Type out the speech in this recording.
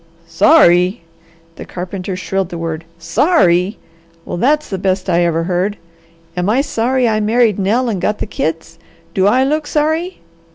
"Sorry!" the carpenter shrilled the word. "Sorry! Well that's the best I ever heard! Am I sorry I married Nell and got the kids? Do I look sorry?"